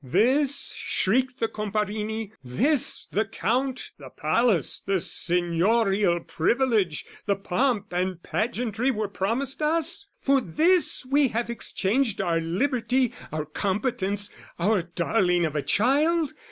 "This," shrieked the Comparini, "this the Count, "The palace, the signorial privilege, "The pomp and pageantry were promised us? "For this have we exchanged our liberty, "Our competence, our darling of a child?